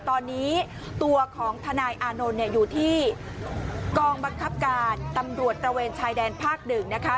ตอนนี้ตัวของทนายอานนท์เนี่ยอยู่ที่กองบังคับการตำรวจตระเวนชายแดนภาคหนึ่งนะคะ